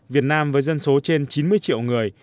việt nam với dân số trên chín mươi triệu người